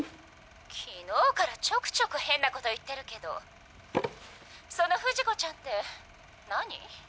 昨日からちょくちょく変なこと言ってるけどその「不二子ちゃん」って何？